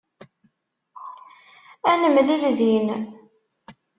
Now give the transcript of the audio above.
Ad nemlil din.